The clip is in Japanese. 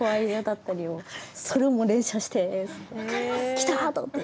きた！と思って。